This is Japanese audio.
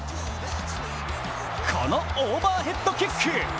このオーバーヘッドキック。